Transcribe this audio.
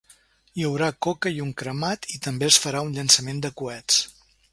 Hi haurà coca i un cremat i també es farà un llançament de coets.